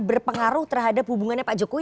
berpengaruh terhadap hubungannya pak jokowi